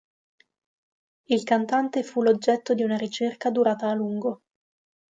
Il cantante fu l'oggetto di una ricerca durata a lungo.